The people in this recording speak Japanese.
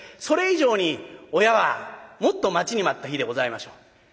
それ以上に親はもっと待ちに待った日でございましょう。